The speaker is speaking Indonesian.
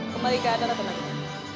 kembali ke adanya teman teman